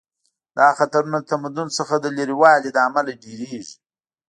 دا خطرونه د تمدن څخه د لرې والي له امله ډیریږي